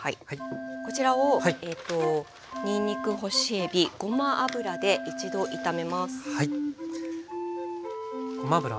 こちらをにんにく干しえびごま油で一度炒めます。